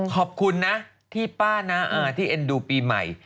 ขอบคุณนะที่ป้าน้าอาที่เอ็นดูปีใหม่